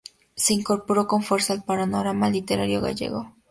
Se incorporó con fuerza al panorama literario gallego.